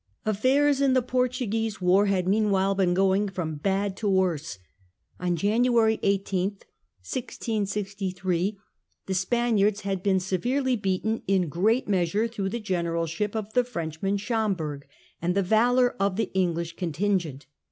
Affairs in the Portuguese war had meanwhile been going from bad to worse. On January 18, 1663, the Disasters in Spaniards had been severely beaten, in great Portugal, measure through the generalship of the F rench man Schomberg, and the valour of the English contin gent.